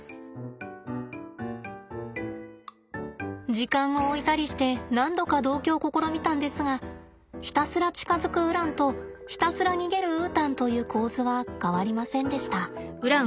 時間を置いたりして何度か同居を試みたんですがひたすら近づくウランとひたすら逃げるウータンという構図は変わりませんでした。